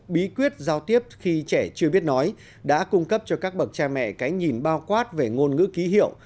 bí quyết giao tiếp khi trẻ chưa biết nói đã cung cấp cho các bậc cha mẹ cái nhìn bao quát về ngôn ngữ ký hiệu